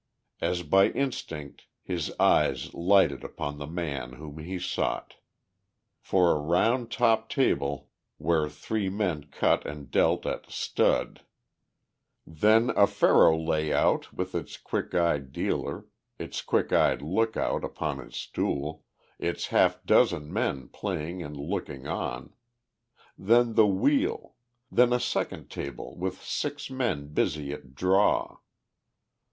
As by instinct his eyes lighted upon the man whom he sought. First a round topped table where three men cut and dealt at "stud"; then a faro lay out with its quick eyed dealer, its quick eyed look out upon his stool, its half dozen men playing and looking on; then the "wheel"; then a second table with six men busy at "draw."